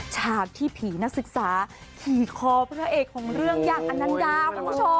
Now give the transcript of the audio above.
ฉากที่ผีนักศึกษาขี่คอพระเอกของเรื่องอย่างอนันดาคุณผู้ชม